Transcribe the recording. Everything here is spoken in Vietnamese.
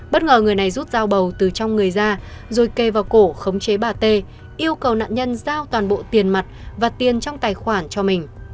bất ngờ người này rút dao bầu từ trong người ra rồi kê vào cổ khống chế bà t yêu cầu nạn nhân giao toàn bộ tiền mặt và tiền trong tài khoản cho mình